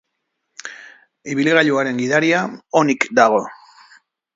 Ibilgailuaren gidaria onik dago.